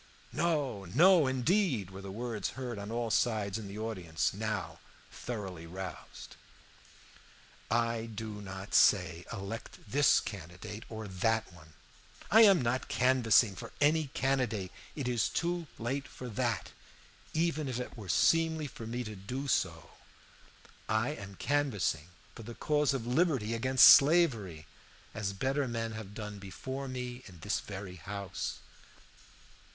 "No, no, indeed!" were the words heard on all sides in the audience, now thoroughly roused. "I do not say, elect this candidate, or that one. I am not canvassing for any candidate. It is too late for that, even if it were seemly for me to do so. I am canvassing for the cause of liberty against slavery, as better men have done before me in this very house.